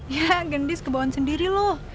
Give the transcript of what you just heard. ya gendis kebawaan sendiri loh